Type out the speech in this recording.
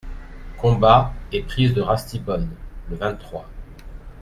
Combat et prise de Ratisbonne, le vingt-trois.